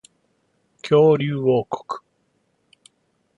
恐竜王国